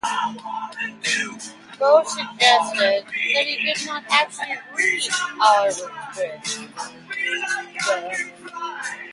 Bo suggests that he did not actually read "Oliver Twist".